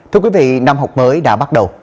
thưa quý vị năm học mới đã bắt đầu